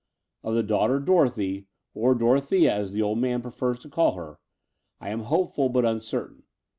Of the daughter, Dorothy — or Dorothea, as the old man prefers to call her — ^I am hopeful, but imcertain.